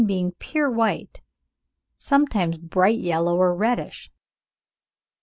being often pure white, sometimes bright yellow, or reddish.